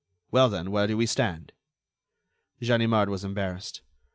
"Well, then, where do we stand?" Ganimard was embarrassed.